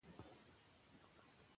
ډاکټران وایي عضلات قوي کول اړین دي.